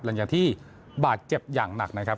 หลังจากที่บาดเจ็บอย่างหนักนะครับ